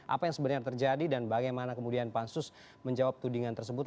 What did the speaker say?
apa yang sebenarnya terjadi dan bagaimana kemudian pansus menjawab tudingan tersebut